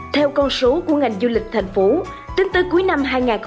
theo con số của ngành du lịch thành phố tính tới cuối năm hai nghìn một mươi tám